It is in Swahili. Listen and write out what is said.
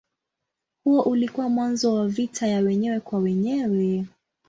Huo ulikuwa mwanzo wa vita ya wenyewe kwa wenyewe.